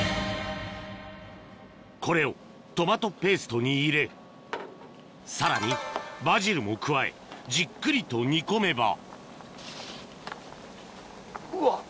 これをトマトペーストに入れさらにバジルも加えじっくりと煮込めばうわ！